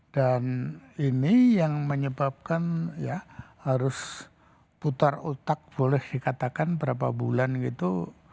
dan ini yang menyebabkan ya harus putar otak boleh dikatakan berapa bulan gitu